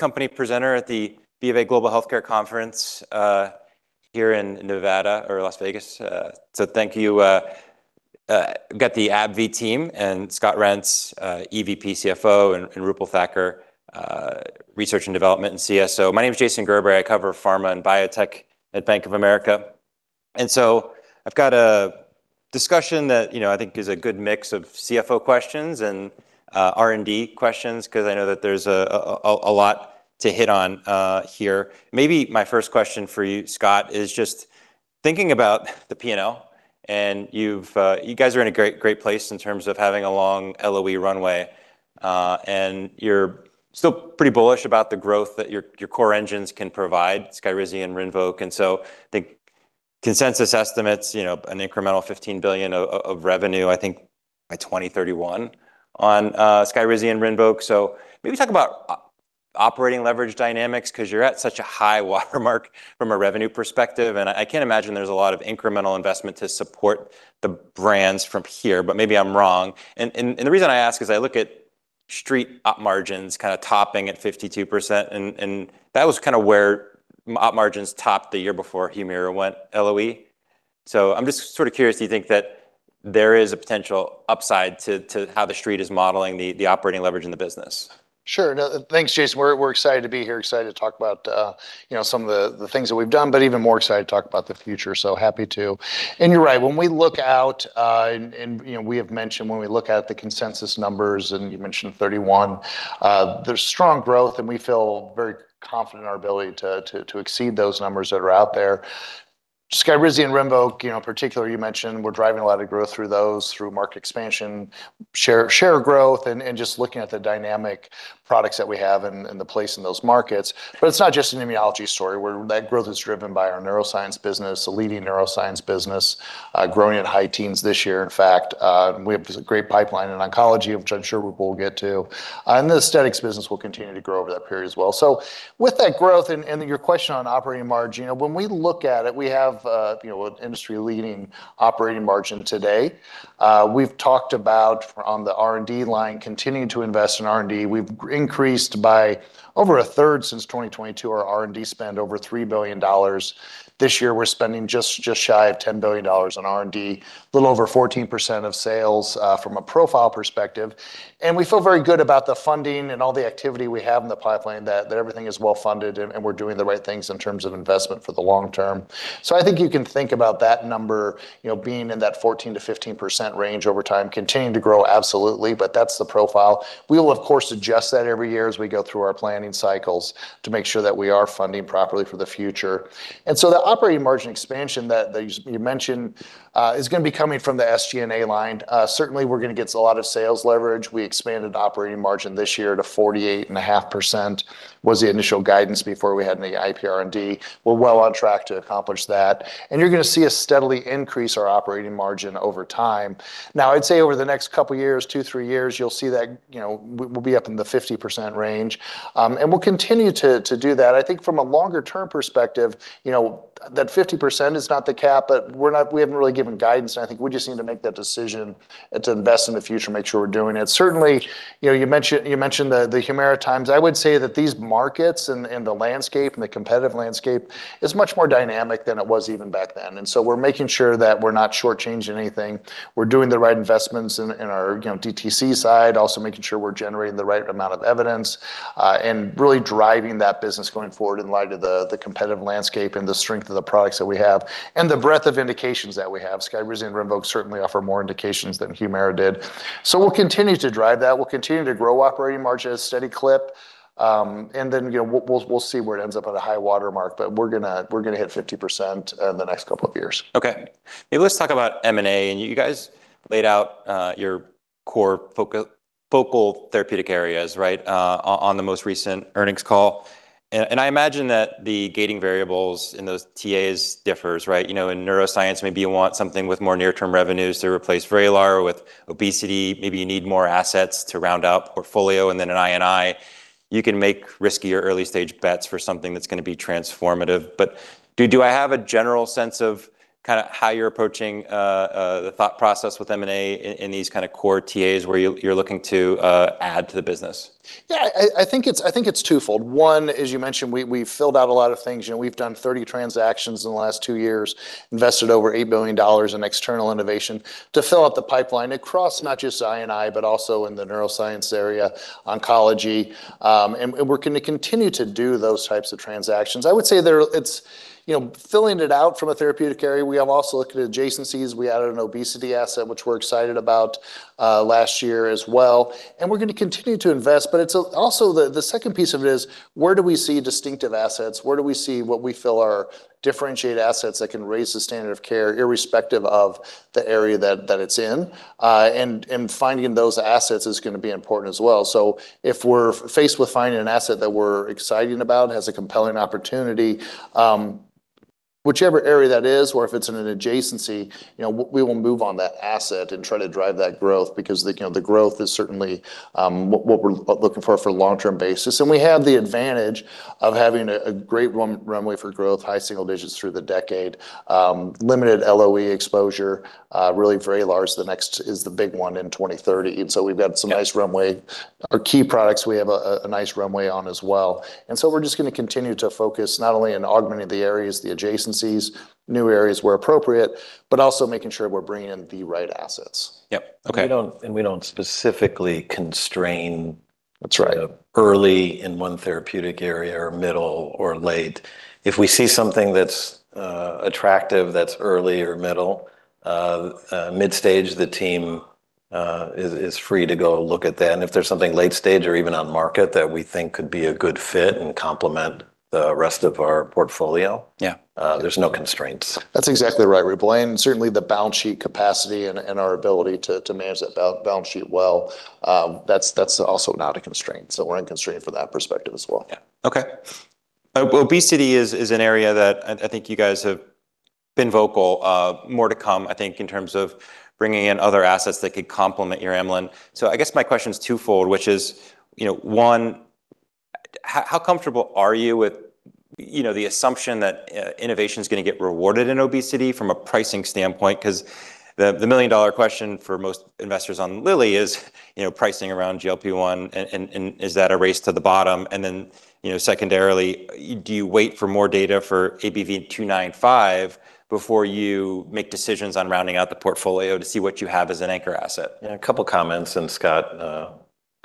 Company presenter at the B of A Global Healthcare Conference here in Nevada or Las Vegas. Thank you. Got the AbbVie team and Scott Reents, EVP, CFO, and Roopal Thakkar, Research and Development and CSO. My name is Jason Gerberry. I cover pharma and biotech at Bank of America. I've got a discussion that, you know, is a good mix of CFO questions and R&D questions because I know that there's a lot to hit on here. Maybe my first question for you, Scott, is just thinking about the P&L and you guys are in a great place in terms of having a long LOE runway. You're still pretty bullish about the growth that your core engines can provide, SKYRIZI and RINVOQ. I think consensus estimates, you know, an incremental $15 billion of revenue, I think by 2031 on SKYRIZI and RINVOQ. Maybe talk about operating leverage dynamics 'cause you're at such a high watermark from a revenue perspective, and I can't imagine there's a lot of incremental investment to support the brands from here, but maybe I'm wrong. The reason I ask is I look at street op margins kinda topping at 52%, and that was kinda where op margins topped the year before HUMIRA went LOE. I'm just sorta curious, do you think that there is a potential upside to how the street is modeling the operating leverage in the business? Sure. No, thanks, Jason. We're excited to be here, excited to talk about, you know, some of the things that we've done, but even more excited to talk about the future, so happy to. You're right. When we look out, and, you know, we have mentioned when we look at the consensus numbers, and you mentioned 2031, there's strong growth, and we feel very confident in our ability to exceed those numbers that are out there. SKYRIZI and RINVOQ, you know, in particular, you mentioned we're driving a lot of growth through those, through market expansion, share growth, and just looking at the dynamic products that we have and the place in those markets. It's not just an immunology story where that growth is driven by our neuroscience business, a leading neuroscience business, growing at high teens this year. In fact, we have this great pipeline in oncology, which I'm sure we'll get to. The aesthetics business will continue to grow over that period as well. With that growth and your question on operating margin, you know, when we look at it, we have, you know, an industry-leading operating margin today. We've talked about on the R&D line continuing to invest in R&D. We've increased by over 1/3 since 2022 our R&D spend over $3 billion. This year, we're spending just shy of $10 billion on R&D, little over 14% of sales from a profile perspective. We feel very good about the funding and all the activity we have in the pipeline, that everything is well-funded and we're doing the right things in terms of investment for the long term. I think you can think about that number, you know, being in that 14%-15% range over time, continuing to grow, absolutely. That's the profile. We will, of course, adjust that every year as we go through our planning cycles to make sure that we are funding properly for the future. The operating margin expansion that you mentioned is gonna be coming from the SG&A line. Certainly we're gonna get a lot of sales leverage. We expanded operating margin this year to 48.5% was the initial guidance before we had any IPR&D. We're well on track to accomplish that, and you're gonna see us steadily increase our operating margin over time. I'd say over the next couple years, two, three years, you'll see that, you know, we'll be up in the 50% range, and we'll continue to do that. I think from a longer-term perspective, you know, that 50% is not the cap, but we haven't really given guidance, and I think we just need to make that decision to invest in the future, make sure we're doing it. Certainly, you know, you mentioned the HUMIRA times. I would say that these markets and the landscape and the competitive landscape is much more dynamic than it was even back then. We're making sure that we're not short-changing anything. We're doing the right investments in our, you know, DTC side, also making sure we're generating the right amount of evidence, and really driving that business going forward in light of the competitive landscape and the strength of the products that we have and the breadth of indications that we have. SKYRIZI and RINVOQ certainly offer more indications than HUMIRA did. We'll continue to drive that. We'll continue to grow operating margins at a steady clip, you know, we'll see where it ends up at a high watermark, but we're gonna hit 50% in the next couple of years. Okay. Maybe let's talk about M&A. You guys laid out your core focal therapeutic areas, right, on the most recent earnings call. I imagine that the gating variables in those TAs differs, right? You know, in neuroscience, maybe you want something with more near-term revenues to replace VRAYLAR. With obesity, maybe you need more assets to round out portfolio. In I&I, you can make riskier early-stage bets for something that's gonna be transformative. Do I have a general sense of kinda how you're approaching the thought process with M&A in these kinda core TAs where you're looking to add to the business? I think it's twofold. One, as you mentioned, we've filled out a lot of things. You know, we've done 30 transactions in the last two years, invested over $8 billion in external innovation to fill out the pipeline across not just I&I, but also in the neuroscience area, oncology. We're going to continue to do those types of transactions. I would say it's, you know, filling it out from a therapeutic area. We have also looked at adjacencies. We added an obesity asset, which we're excited about last year as well. We're going to continue to invest. Also, the second piece of it is where do we see distinctive assets? Where do we see what we feel are differentiated assets that can raise the standard of care irrespective of the area that it's in? And finding those assets is gonna be important as well. If we're faced with finding an asset that we're excited about and has a compelling opportunity, whichever area that is or if it's in an adjacency, you know, we will move on that asset and try to drive that growth because the, you know, the growth is certainly what we're looking for for long-term basis. We have the advantage of having a great runway for growth, high single digits through the decade, limited LOE exposure, really VRAYLAR is the big one in 2030. We've got some nice runway. Our key products we have a nice runway on as well. We're just gonna continue to focus not only in augmenting the areas, the adjacencies, new areas where appropriate, but also making sure we're bringing in the right assets. Yep. Okay. We don't specifically constrain- That's right. ...early in one therapeutic area or middle or late. If we see something that's attractive that's early or middle, mid-stage, the team is free to go look at that. If there's something late stage or even on market that we think could be a good fit and complement the rest of our portfolio. Yeah There's no constraints. That's exactly right, Roopal Thakkar. Certainly the balance sheet capacity and our ability to manage that balance sheet well, that's also not a constraint. We're unconstrained from that perspective as well. Yeah. Okay. Obesity is an area that I think you guys have been vocal, more to come, I think, in terms of bringing in other assets that could complement your amylin. I guess my question is twofold, which is, you know, one, how comfortable are you with, you know, the assumption that innovation's gonna get rewarded in obesity from a pricing standpoint? 'Cause the million-dollar question for most investors on Lilly is, you know, pricing around GLP-1 and is that a race to the bottom? Then, you know, secondarily, do you wait for more data for ABBV-295 before you make decisions on rounding out the portfolio to see what you have as an anchor asset? Yeah, a couple comments, and Scott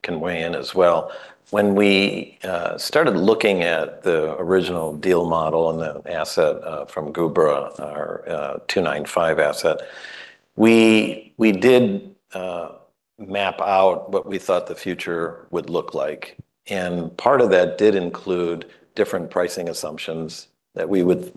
can weigh in as well. When we started looking at the original deal model and the asset from Gubra, our ABBV-295 asset, we did map out what we thought the future would look like, and part of that did include different pricing assumptions that we would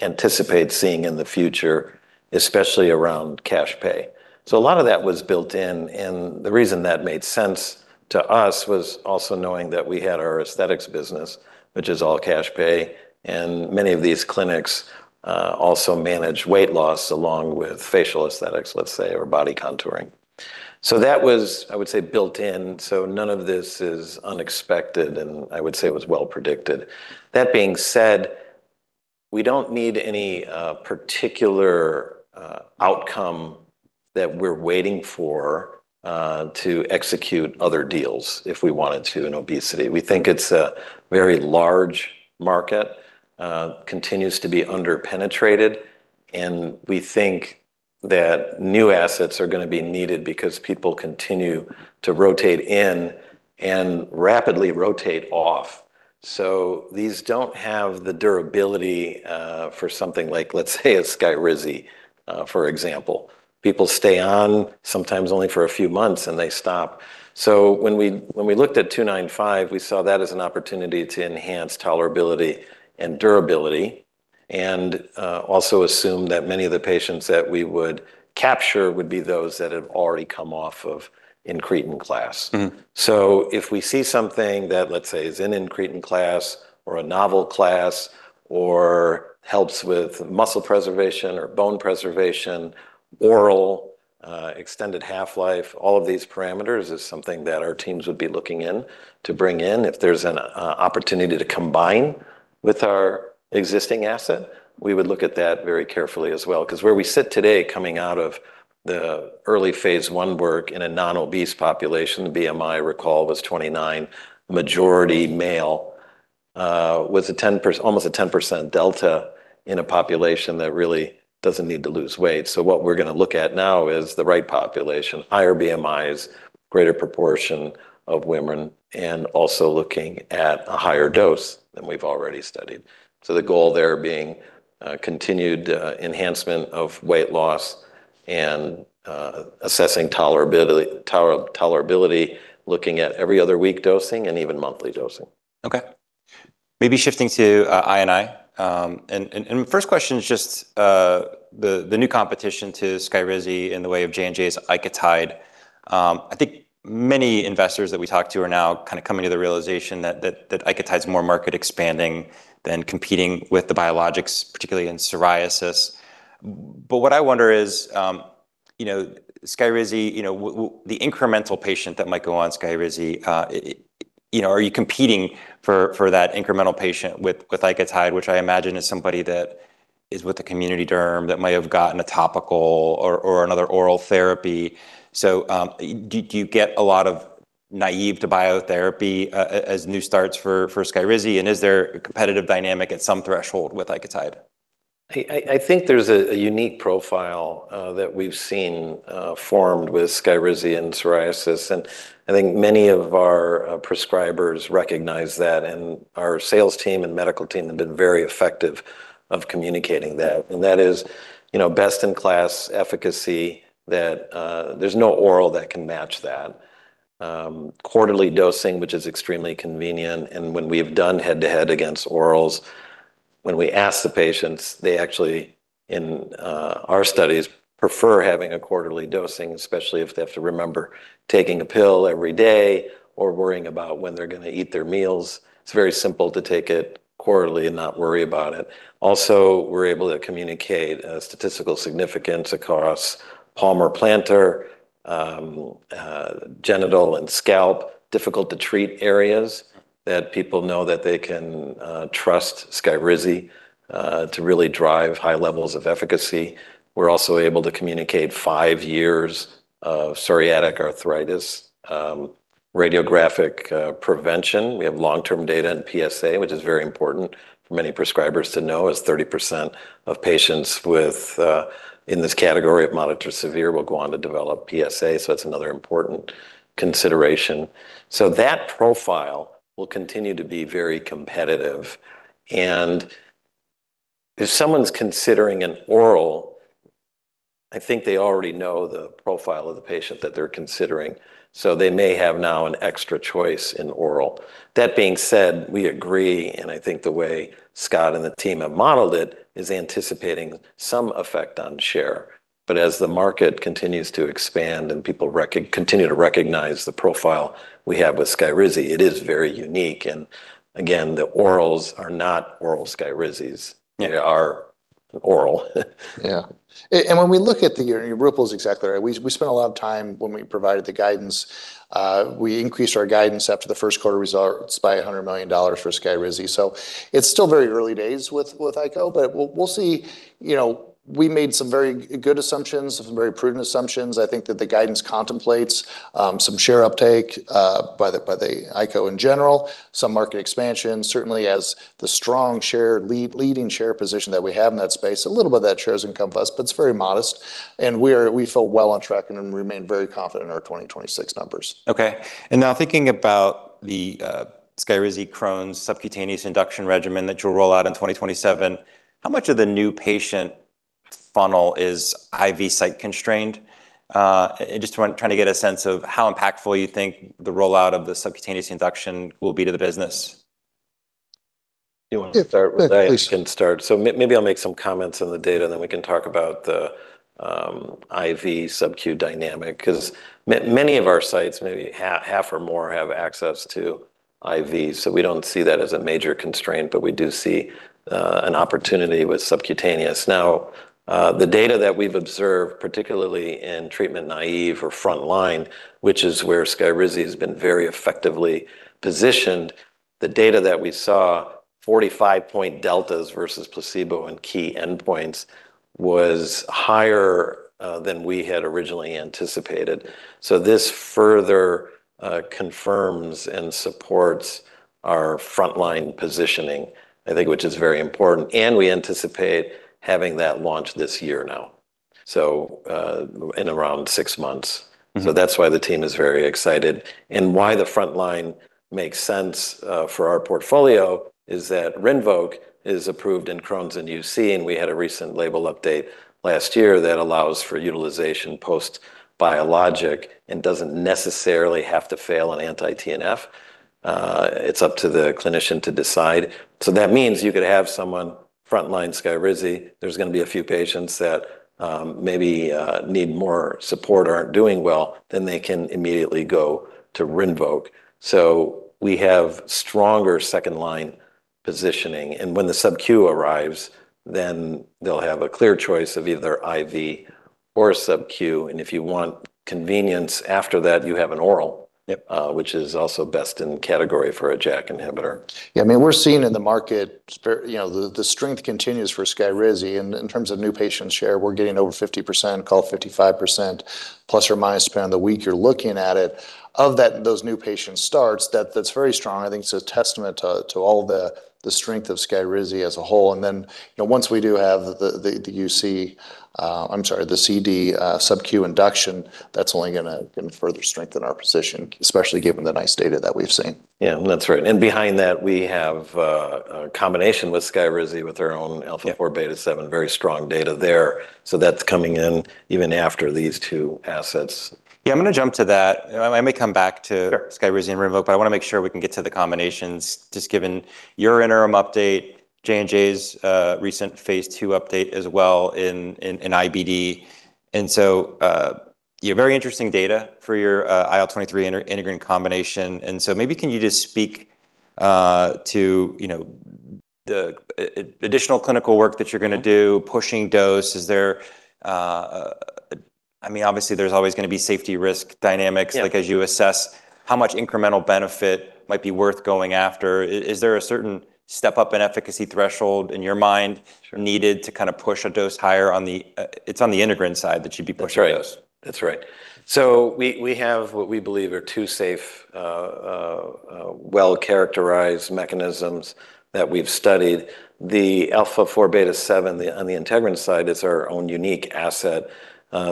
anticipate seeing in the future, especially around cash pay. A lot of that was built in, and the reason that made sense to us was also knowing that we had our aesthetics business, which is all cash pay, and many of these clinics also manage weight loss along with facial aesthetics, let's say, or body contouring. That was, I would say, built in, so none of this is unexpected, and I would say it was well predicted. That being said, we don't need any particular outcome that we're waiting for to execute other deals if we wanted to in obesity. We think it's a very large market, continues to be under-penetrated, and we think that new assets are gonna be needed because people continue to rotate in and rapidly rotate off. These don't have the durability for something like, let's say, a SKYRIZI, for example. People stay on sometimes only for a few months, and they stop. When we looked at ABBV-295, we saw that as an opportunity to enhance tolerability and durability and also assume that many of the patients that we would capture would be those that have already come off of incretin class. If we see something that, let's say, is an incretin class or a novel class or helps with muscle preservation or bone preservation, oral, extended half-life, all of these parameters is something that our teams would be looking in to bring in. If there's an opportunity to combine with our existing asset, we would look at that very carefully as well. Cause where we sit today coming out of the early Phase I work in a non-obese population, the BMI recall was 29, majority male, was almost a 10% delta in a population that really doesn't need to lose weight. What we're gonna look at now is the right population, higher BMIs, greater proportion of women, and also looking at a higher dose than we've already studied. The goal there being, continued, enhancement of weight loss and, assessing tolerability, looking at every other week dosing and even monthly dosing. Okay. Maybe shifting to I&I. First question is just the new competition to SKYRIZI in the way of J&J's ICOTYDE. I think many investors that we talk to are now kinda coming to the realization that ICOTYDE's more market expanding than competing with the biologics, particularly in psoriasis. What I wonder is, you know, SKYRIZI, the incremental patient that might go on SKYRIZI, are you competing for that incremental patient with ICOTYDE, which I imagine is somebody that is with a community derm that might have gotten a topical or another oral therapy. Do you get a lot of naive to biotherapy as new starts for SKYRIZI, and is there a competitive dynamic at some threshold with ICOTYDE? I think there's a unique profile that we've seen formed with SKYRIZI and psoriasis, and I think many of our prescribers recognize that, and our sales team and medical team have been very effective of communicating that. That is, you know, best-in-class efficacy that there's no oral that can match that. Quarterly dosing, which is extremely convenient, and when we've done head-to-head against orals, when we ask the patients, they actually, in our studies, prefer having a quarterly dosing, especially if they have to remember taking a pill every day or worrying about when they're gonna eat their meals. It's very simple to take it quarterly and not worry about it. Also, we're able to communicate statistical significance across palm or plantar, genital and scalp, difficult-to-treat areas that people know that they can trust SKYRIZI to really drive high levels of efficacy. We're also able to communicate five years of psoriatic arthritis radiographic prevention. We have long-term data in PSA, which is very important for many prescribers to know, as 30% of patients with in this category of moderate to severe will go on to develop PSA. That's another important consideration. That profile will continue to be very competitive. If someone's considering an oral, I think they already know the profile of the patient that they're considering. They may have now an extra choice in oral. That being said, we agree. I think the way Scott and the team have modeled it is anticipating some effect on share. As the market continues to expand and people continue to recognize the profile we have with SKYRIZI, it is very unique. Again, the orals are not oral SKYRIZIs. They are oral. Yeah. When we look at the Roopal's exactly right. We spent a lot of time when we provided the guidance. We increased our guidance after the first quarter results by $100 million for SKYRIZI. It's still very early days with ICOTYDE, but we'll see. You know, we made some very good assumptions, some very prudent assumptions. I think that the guidance contemplates some share uptake by the ICOTYDE in general, some market expansion, certainly as the strong leading share position that we have in that space. A little bit of that share is encompassed, but it's very modest, and we feel well on track and remain very confident in our 2026 numbers. Okay. Now thinking about the SKYRIZI Crohn's subcutaneous induction regimen that you'll roll out in 2027, how much of the new patient funnel is IV site constrained? Just trying to get a sense of how impactful you think the rollout of the subcutaneous induction will be to the business. You want to start? Yeah. Please. I can start. Maybe I'll make some comments on the data, and then we can talk about the IV SubQ dynamic 'cause many of our sites, maybe half or more, have access to IV. We don't see that as a major constraint, but we do see an opportunity with subcutaneous. Now, the data that we've observed, particularly in treatment naive or frontline, which is where SKYRIZI has been very effectively positioned, the data that we saw, 45-point deltas versus placebo and key endpoints, was higher than we had originally anticipated. This further confirms and supports our frontline positioning, I think, which is very important, and we anticipate having that launch this year now, in around six months. That's why the team is very excited. Why the frontline makes sense for our portfolio is that RINVOQ is approved in Crohn's and UC, and we had a recent label update last year that allows for utilization post biologic and doesn't necessarily have to fail an anti-TNF. It's up to the clinician to decide. That means you could have someone frontline SKYRIZI. There's gonna be a few patients that maybe need more support, aren't doing well, then they can immediately go to RINVOQ. We have stronger second-line positioning, and when the SubQ arrives, then they'll have a clear choice of either IV or SubQ. If you want convenience after that, you have an oral- Yep. ...which is also best in category for a JAK inhibitor. Yeah. I mean, we're seeing in the market, you know, the strength continues for SKYRIZI. In terms of new patient share, we're getting over 50%, call it 55%, ± depending on the week you're looking at it. Of that, those new patient starts, that's very strong. I think it's a testament to all the strength of SKYRIZI as a whole. Then, you know, once we do have the UC, I'm sorry, the CD, SubQ induction, that's only going to further strengthen our position, especially given the nice data that we've seen. Yeah. That's right. Behind that, we have a combination with SKYRIZI with our own alpha-4 beta-7. Very strong data there. That's coming in even after these two assets. Yeah. I'm gonna jump to that. I may come back to. Sure. SKYRIZI and RINVOQ, but I wanna make sure we can get to the combinations, just given your interim update, J&J's recent Phase II update as well in IBD. Yeah, very interesting data for your IL-23 integrin combination. Maybe can you just speak to, you know, the additional clinical work that you're gonna do, pushing dose. Is there, I mean, obviously, there's always gonna be safety risk dynamics- Yeah. ...like as you assess how much incremental benefit might be worth going after. Is there a certain step-up in efficacy threshold in your mind- Sure. ...needed to kind of push a dose higher on the. It's on the integrin side that you'd be pushing dose. That's right. That's right. We have what we believe are two safe, well-characterized mechanisms that we've studied. The alpha-4 beta-7, on the integrin side is our own unique asset,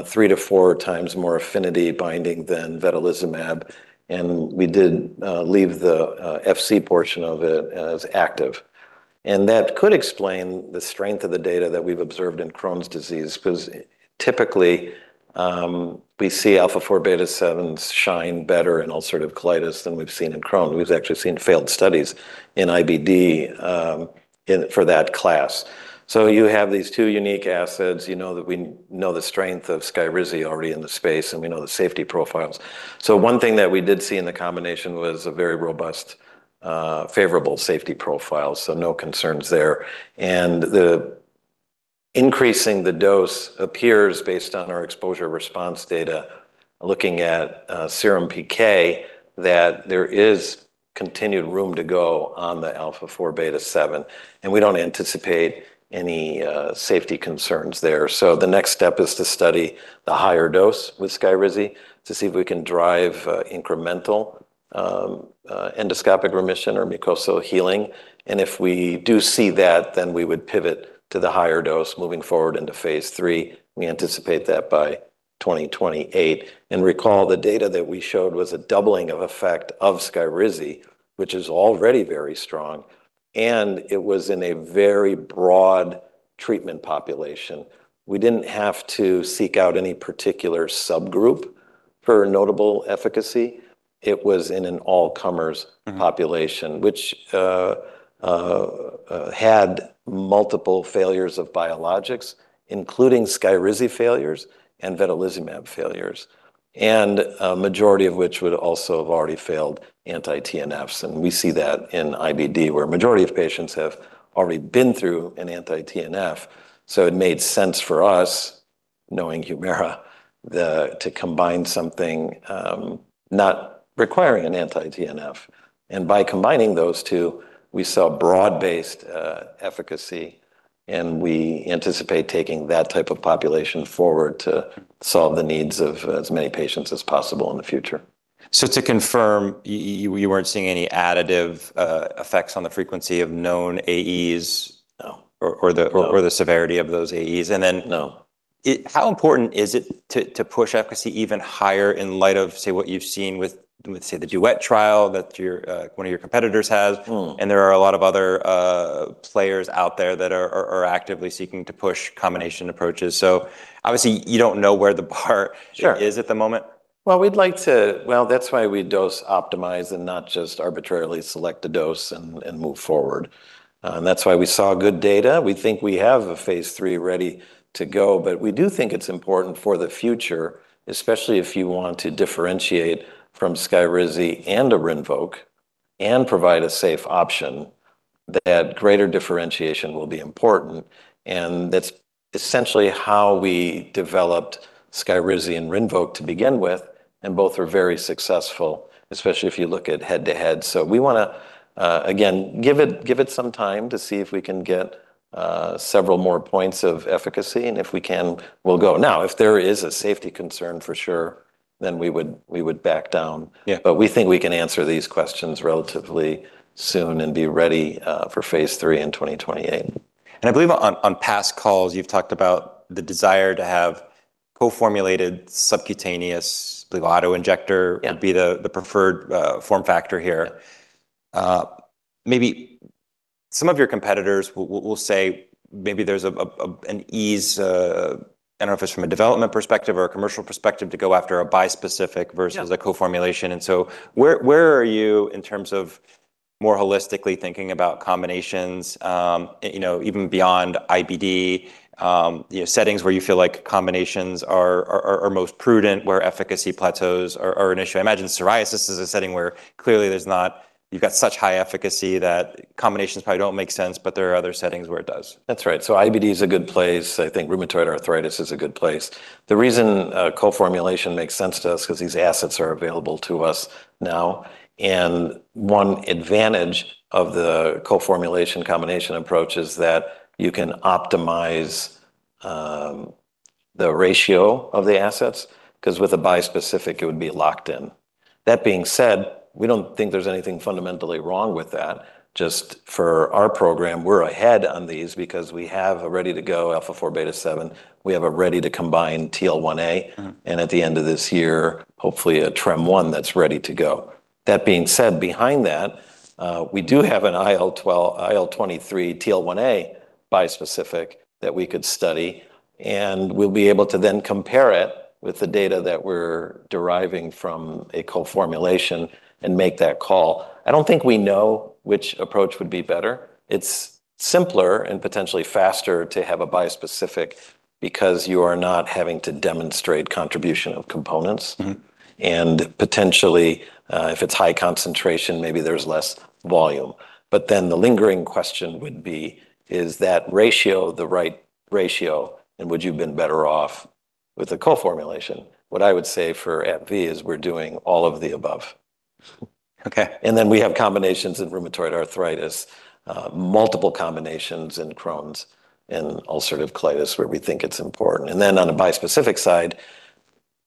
three to four times more affinity binding than vedolizumab, and we did leave the Fc portion of it as active. That could explain the strength of the data that we've observed in Crohn's disease 'cause typically, we see alpha-4 beta-7s shine better in ulcerative colitis than we've seen in Crohn's. We've actually seen failed studies in IBD for that class. You have these two unique assets, you know, that we know the strength of SKYRIZI already in the space, and we know the safety profiles. One thing that we did see in the combination was a very robust, favorable safety profile, so no concerns there. The increasing the dose appears based on our exposure response data, looking at serum PK, that there is continued room to go on the alpha-4 beta-7, and we don't anticipate any safety concerns there. The next step is to study the higher dose with SKYRIZI to see if we can drive incremental endoscopic remission or mucosal healing. If we do see that, we would pivot to the higher dose moving forward into Phase III. We anticipate that by 2028. Recall the data that we showed was a doubling of effect of SKYRIZI, which is already very strong, and it was in a very broad treatment population. We didn't have to seek out any particular subgroup for notable efficacy. It was in an all-comers population. Which had multiple failures of biologics, including SKYRIZI failures and vedolizumab failures, and a majority of which would also have already failed anti-TNFs. We see that in IBD, where a majority of patients have already been through an anti-TNF. It made sense for us, knowing HUMIRA, the, to combine something not requiring an anti-TNF. By combining those two, we saw broad-based efficacy, and we anticipate taking that type of population forward to solve the needs of as many patients as possible in the future. To confirm, you weren't seeing any additive effects on the frequency of known AEs? No. Or the- No. ...or the severity of those AEs? No. Then, how important is it to push efficacy even higher in light of, say, what you've seen with, say, the DUET trial that your, one of your competitors has? There are a lot of other players out there that are actively seeking to push combination approaches. Obviously you don't know where the bar- Sure. ...is at the moment? Well, that's why we dose optimize and not just arbitrarily select a dose and move forward. That's why we saw good data. We think we have a Phase III ready to go. We do think it's important for the future, especially if you want to differentiate from SKYRIZI and RINVOQ and provide a safe option, that greater differentiation will be important. That's essentially how we developed SKYRIZI and RINVOQ to begin with. Both are very successful, especially if you look at head-to-head. We want to again, give it some time to see if we can get several more points of efficacy. If we can, we'll go. Now, if there is a safety concern for sure, then we would back down. Yeah. We think we can answer these questions relatively soon and be ready for Phase III in 2028. I believe on past calls you've talked about the desire to have co-formulated subcutaneous, I believe auto-injector- Yeah. ...would be the preferred form factor here. Maybe some of your competitors will say maybe there's an ease, I don't know if it's from a development perspective or a commercial perspective, to go after a bispecific versus- Yeah. ...a co-formulation. Where are you in terms of more holistically thinking about combinations, you know, even beyond IBD, you know, settings where you feel like combinations are most prudent, where efficacy plateaus are an issue? I imagine psoriasis is a setting where clearly You've got such high efficacy that combinations probably don't make sense, but there are other settings where it does. That's right. IBD is a good place. I think rheumatoid arthritis is a good place. The reason a co-formulation makes sense to us, 'cause these assets are available to us now, and one advantage of the co-formulation combination approach is that you can optimize the ratio of the assets 'cause with a bispecific it would be locked in. That being said, we don't think there's anything fundamentally wrong with that. Just for our program, we're ahead on these because we have a ready-to-go alpha-4 beta-7, we have a ready-to-combine TL1A and at the end of this year, hopefully a TREM-1 that's ready to go. That being said, behind that, we do have an IL-12, IL-23, TL1A bispecific that we could study, and we'll be able to then compare it with the data that we're deriving from a co-formulation and make that call. I don't think we know which approach would be better. It's simpler and potentially faster to have a bispecific because you are not having to demonstrate contribution of components. Potentially, if it's high concentration, maybe there's less volume. The lingering question would be, is that ratio the right ratio, and would you have been better off with a co-formulation? What I would say for AbbVie is we're doing all of the above. Okay. We have combinations in rheumatoid arthritis, multiple combinations in Crohn's and ulcerative colitis where we think it's important. On the bispecific side,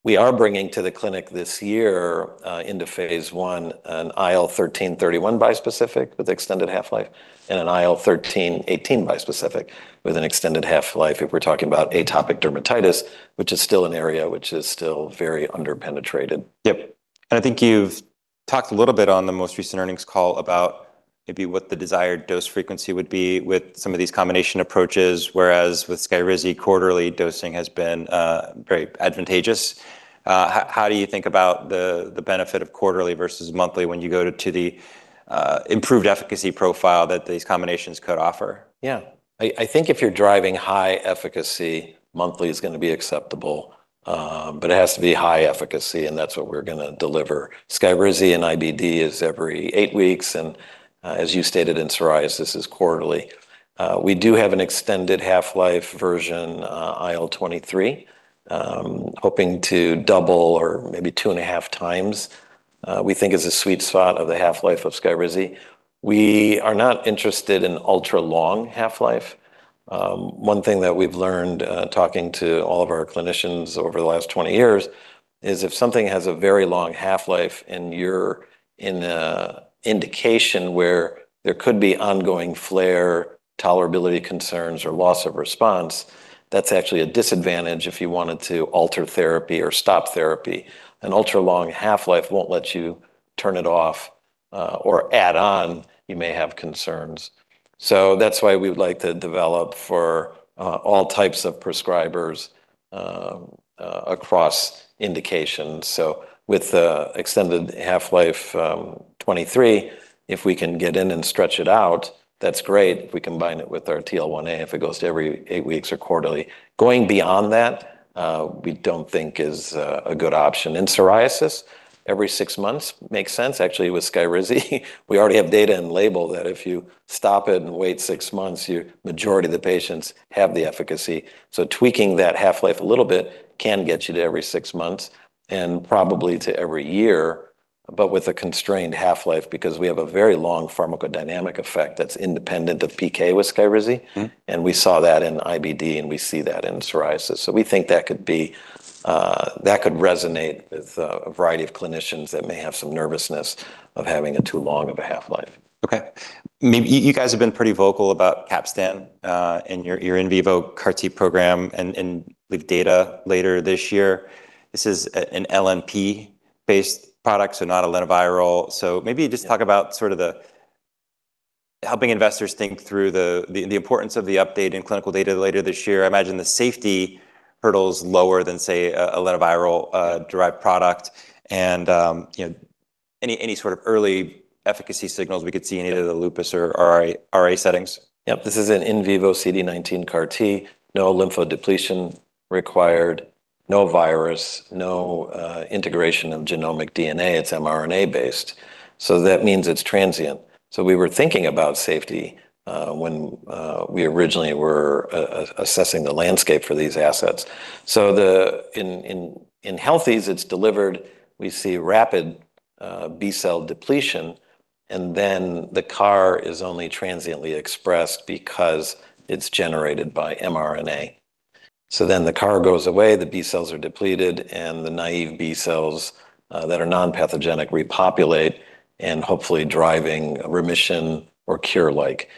we are bringing to the clinic this year, into Phase I, an IL-13/31 bispecific with extended half-life and an IL-13/18 bispecific with an extended half-life if we're talking about atopic dermatitis, which is still an area which is still very under-penetrated. Yep. I think you've talked a little bit on the most recent earnings call about maybe what the desired dose frequency would be with some of these combination approaches, whereas with SKYRIZI, quarterly dosing has been very advantageous. How do you think about the benefit of quarterly versus monthly when you go to the improved efficacy profile that these combinations could offer? I think if you're driving high efficacy, monthly is going to be acceptable. It has to be high efficacy, and that's what we're going to deliver. SKYRIZI in IBD is every eight weeks, as you stated, in psoriasis it's quarterly. We do have an extended half-life version, IL-23, hoping to double or maybe two and a half times. We think it's a sweet spot of the half-life of SKYRIZI. We are not interested in ultra-long half-life. One thing that we've learned, talking to all of our clinicians over the last 20 years is if something has a very long half-life and you're in a indication where there could be ongoing flare tolerability concerns or loss of response, that's actually a disadvantage if you wanted to alter therapy or stop therapy. An ultra-long half-life won't let you turn it off, or add on. You may have concerns. That's why we would like to develop for all types of prescribers across indications. With the extended half-life, IL-23, if we can get in and stretch it out, that's great if we combine it with our TL1A, if it goes to every eight weeks or quarterly. Going beyond that, we don't think is a good option. In psoriasis, every six months makes sense. Actually, with SKYRIZI we already have data and label that if you stop it and wait six months, your majority of the patients have the efficacy. Tweaking that half-life a little bit can get you to every six months and probably to every year, but with a constrained half-life because we have a very long pharmacodynamic effect that's independent of PK with SKYRIZI. We saw that in IBD, and we see that in psoriasis. We think that could be, that could resonate with a variety of clinicians that may have some nervousness of having a too long of a half-life. Okay. You guys have been pretty vocal about Capstan, and your in vivo CAR T program, and with data later this year. This is an LNP-based product, so not a lentiviral. Maybe just talk about sort of helping investors think through the importance of the update in clinical data later this year. I imagine the safety hurdle's lower than, say, a lentiviral derived product and, you know, any sort of early efficacy signals we could see in either the lupus or RA settings. Yep. This is an in vivo CD19 CAR T. No lymphodepletion required, no virus, no integration of genomic DNA. It's mRNA based, that means it's transient. We were thinking about safety when we originally were assessing the landscape for these assets. In healthies it's delivered, we see rapid B-cell depletion, and then the CAR is only transiently expressed because it's generated by mRNA. The CAR goes away, the B-cells are depleted, and the naive B-cells that are non-pathogenic repopulate and hopefully driving remission or cure-like.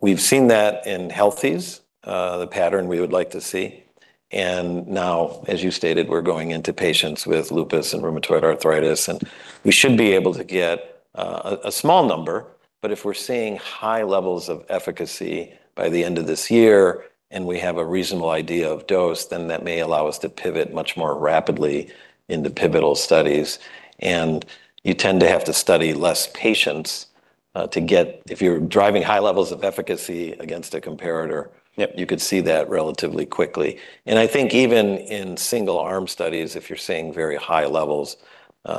We've seen that in healthies, the pattern we would like to see, and now as you stated, we're going into patients with lupus and rheumatoid arthritis, and we should be able to get a small number. If we're seeing high levels of efficacy by the end of this year, and we have a reasonable idea of dose, then that may allow us to pivot much more rapidly into pivotal studies. You tend to have to study less patients to get, if you are driving high levels of efficacy against the competitor- Yep.... you could see that relatively quickly. I think even in single arm studies, if you're seeing very high levels,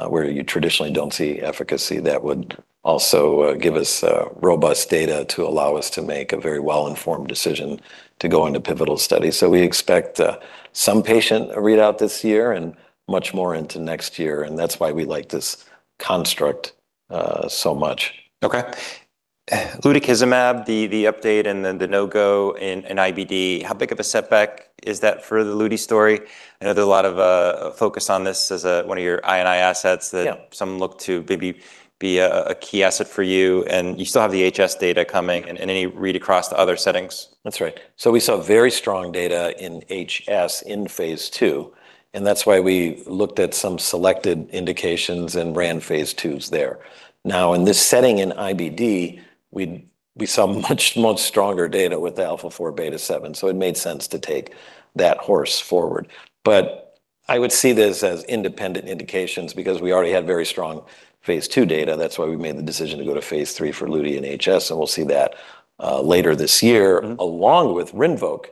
where you traditionally don't see efficacy, that would also give us robust data to allow us to make a very well-informed decision to go into pivotal studies. We expect some patient readout this year and much more into next year, and that's why we like this construct so much. Okay. Lutikizumab, the update and then the no-go in IBD, how big of a setback is that for the luti story? I know there are a lot of focus on this as a one of your I&I assets. Yeah. Some look to maybe be a key asset for you, and you still have the HS data coming and any read across to other settings. That's right. We saw very strong data in HS in Phase II, that's why we looked at some selected indications and ran Phase IIs there. Now, in this setting in IBD, we saw much, much stronger data with the alpha-4 beta-7, it made sense to take that horse forward. I would see this as independent indications because we already had very strong Phase II data. That's why we made the decision to go to Phase III for luti and HS, we'll see that later this year along with RINVOQ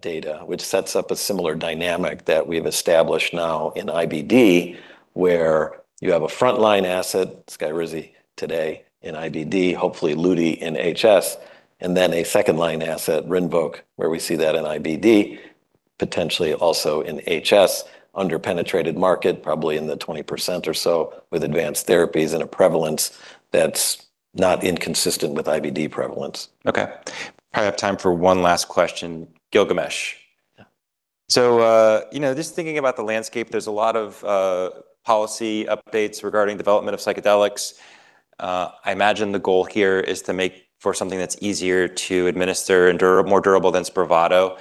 data, which sets up a similar dynamic that we've established now in IBD, where you have a frontline asset, SKYRIZI today in IBD, hopefully ludi in HS, and then a second line asset, RINVOQ, where we see that in IBD, potentially also in HS, under-penetrated market, probably in the 20% or so with advanced therapies and a prevalence that's not inconsistent with IBD prevalence. Okay. Probably have time for one last question. Gilgamesh. Yeah. You know, just thinking about the landscape, there's a lot of policy updates regarding development of psychedelics. I imagine the goal here is to make for something that's easier to administer and more durable than SPRAVATO,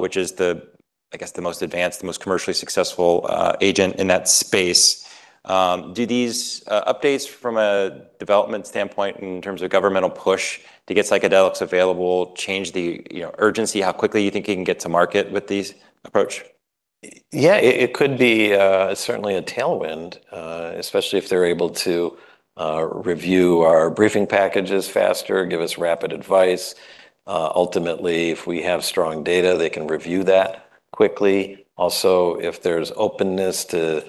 which is the, I guess the most advanced, the most commercially successful agent in that space. Do these updates from a development standpoint in terms of governmental push to get psychedelics available, change the, you know, urgency, how quickly you think you can get to market with these approach? Yeah, it could be certainly a tailwind, especially if they're able to review our briefing packages faster, give us rapid advice. Ultimately, if we have strong data, they can review that quickly. Also, if there's openness to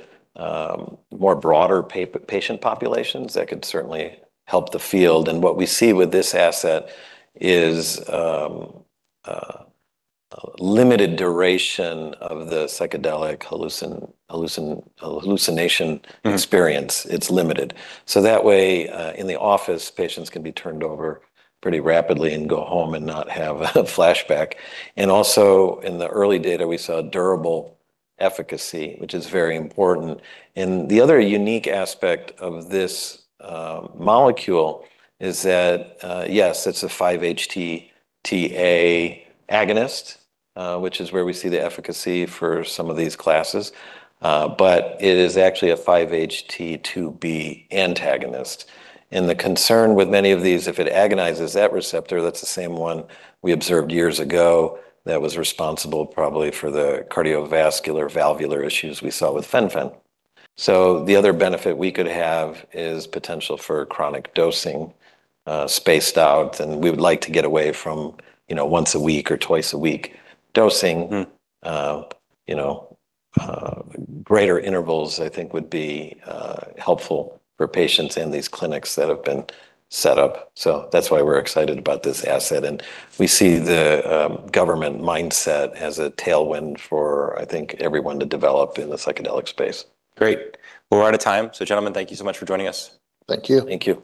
more broader patient populations, that could certainly help the field. What we see with this asset is limited duration of the psychedelic hallucination experience. It's limited. That way, in the office, patients can be turned over pretty rapidly and go home and not have a flashback. Also in the early data, we saw durable efficacy, which is very important. The other unique aspect of this molecule is that, yes, it's a 5-HT2A agonist, which is where we see the efficacy for some of these classes. It is actually a 5-HT2B antagonist. The concern with many of these, if it agonizes that receptor, that's the same one we observed years ago that was responsible probably for the cardiovascular valvular issues we saw with Fen-Phen. The other benefit we could have is potential for chronic dosing, spaced out, and we would like to get away from, you know, once a week or twice a week dosing. You know, greater intervals I think would be helpful for patients in these clinics that have been set up. That's why we're excited about this asset, and we see the government mindset as a tailwind for, I think, everyone to develop in the psychedelic space. Great. We're out of time. Gentlemen, thank you so much for joining us. Thank you. Thank you.